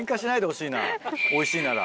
おいしいなら。